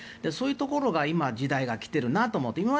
そういうところが今、時代が来ているなと思って。